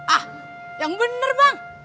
ah yang bener bang